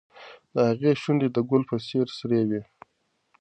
د هغې شونډې د ګل په څېر سرې وې.